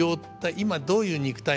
今どういう肉体の状況